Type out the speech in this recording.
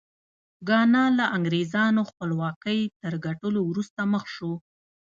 ګانا له انګرېزانو خپلواکۍ تر ګټلو وروسته مخ شو.